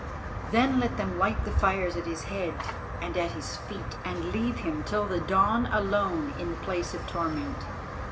Then let them light the fires at his head and at his feet and leave him till the dawn alone in the place of torment.